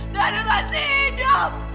daniel masih hidup